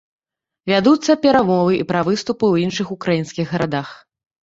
Вядуцца перамовы і пра выступы ў іншых украінскіх гарадах.